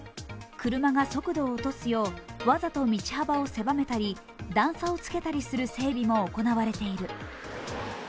車が速度を落とすよう、わざと道幅を狭めたり、段差をつけたりする整備も行われている。